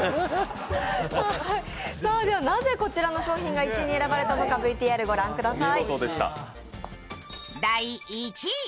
なぜ、こちらの商品が１位に選ばれたのか映像ご覧ください。